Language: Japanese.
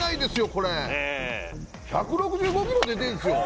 これ１６５キロ出てるんですよ